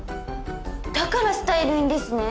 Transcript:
だからスタイルいいんですね。